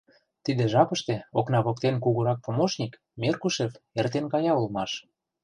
Тиде жапыште окна воктен кугурак помощник, Меркушев, эртен кая улмаш.